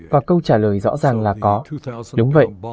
và câu trả lời rõ ràng là có đúng vậy